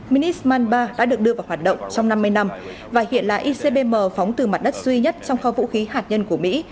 minisman ba đã được đưa vào hoạt động trong năm mươi năm và hiện là icbm phóng từ mặt đất duy nhất trong kho vũ khí hạt nhân của mỹ